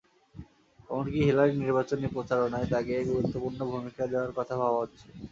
এমনকি হিলারির নির্বাচনী প্রচারণায় তাঁকে গুরুত্বপূর্ণ ভূমিকা দেওয়ার কথা ভাবা হচ্ছে।